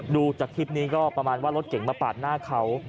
ดูจากคลิปนี้ก็ประมาณว่ารถเก่งมาปาดหน้าเขา